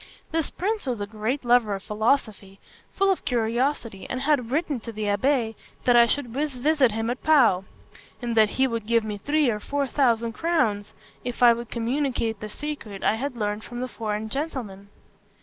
This prince was a great lover of philosophy, full of curiosity, and had written to the abbé that I should visit him at Pau; and that he would give me three or four thousand crowns if I would communicate the secret I had learned from the foreign gentleman.